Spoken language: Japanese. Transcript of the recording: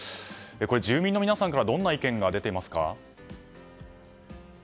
これ、住民の皆さんからどんな意見が出ていますか？